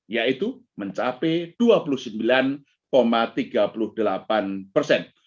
yaitu mencapai dua puluh sembilan tiga puluh delapan persen